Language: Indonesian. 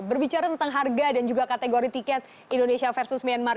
berbicara tentang harga dan juga kategori tiket indonesia versus myanmar